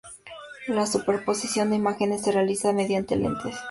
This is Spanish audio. La superposición de imágenes se realiza mediante lentes.